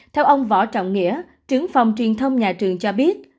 theo ông võ trọng nghĩa trưởng phòng truyền thông nhà trường cho biết